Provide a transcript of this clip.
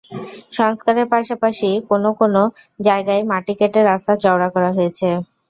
সংস্কারের পাশাপাশি কোনো কোনো জায়গায় মাটি কেটে রাস্তা চওড়া করা হয়েছে।